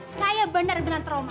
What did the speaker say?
saya benar benar trauma